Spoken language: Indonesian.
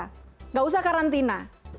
tidak usah karantina